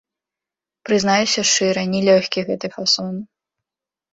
Прызнаюся шчыра, не лёгкі гэты фасон.